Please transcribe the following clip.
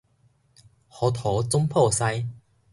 糊塗總鋪師